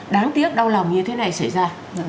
đáng tiếc đau lòng như thế này xảy ra